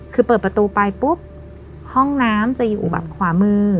คือเปิดประตูไปปุ๊บห้องน้ำจะอยู่แบบขวามือ